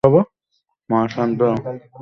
মা, শান্ত হও!